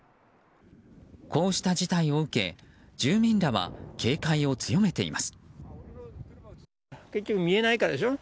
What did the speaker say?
こうした事態を受け住民らは警戒を強めています。